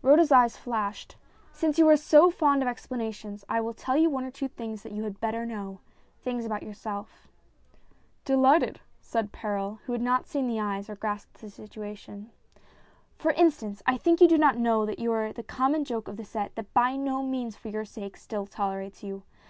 Rhoda's eyes flashed. "Since you are so fond of explanations, I will tell you one or two things that you had better know things about yourself." " Delighted," said Perral, who had not seen the eyes or grasped the situation. "For instance, I think you do not know that you are the common joke of the set that, by no means for your sake, still tolerates you.